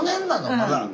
まだ。